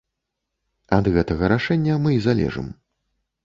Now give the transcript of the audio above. Ад гэтага рашэння мы і залежым.